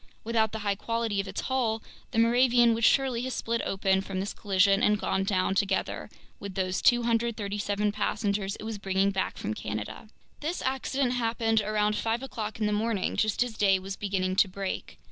Without the high quality of its hull, the Moravian would surely have split open from this collision and gone down together with those 237 passengers it was bringing back from Canada. This accident happened around five o'clock in the morning, just as day was beginning to break.